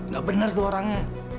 gak benar tuh orangnya